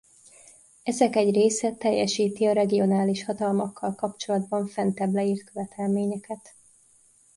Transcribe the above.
Ezek egy része teljesíti a regionális hatalmakkal kapcsolatban fentebb leírt követelményeket.